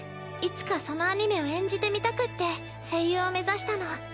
いつかそのアニメを演じてみたくって声優を目指したの。